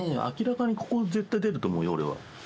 明らかにここ絶対出ると思うよ俺は。